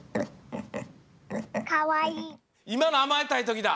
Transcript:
いまのあまえたいときだ。